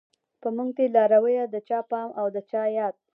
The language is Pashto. په موږ دی لارويه د چا پام او د چا ياد